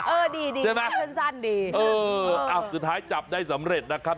เออดีสั้นดีใช่ไหมเออสุดท้ายจับได้สำเร็จนะครับ